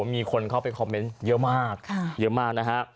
มีคนเข้าไปคอมเมนต์เยอะมากเยอะมากนะฮะ